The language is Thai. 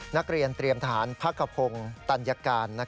นักเรียนเตรียมทหารพักขพงศ์ตัญญาการ